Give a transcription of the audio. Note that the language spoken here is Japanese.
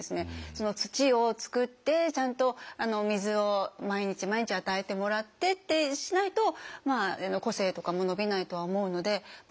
その土を作ってちゃんと水を毎日毎日与えてもらってってしないと個性とかも伸びないとは思うので。